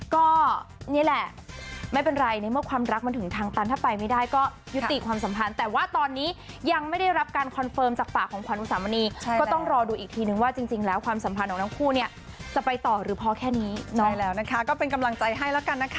ก็นี้แหละไม่เป็นไรในเมื่อความรักมันถึงทางตันถ้าไปไม่ได้ก็ยุติความสำคัญ